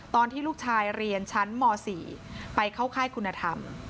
ตอนที่ลูกชายเรียนชั้นม๔ไปเข้าค่ายคุณธรรม